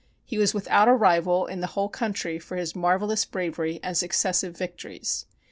He was without a rival in the whole country for his marvelous bravery and successive victories.